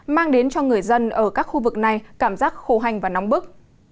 mang đến cho người dân ở các khu vực này cảm giác khô hanh và nóng bức